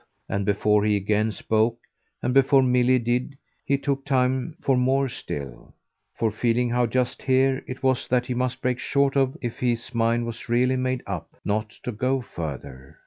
And before he again spoke, and before Milly did, he took time for more still for feeling how just here it was that he must break short off if his mind was really made up not to go further.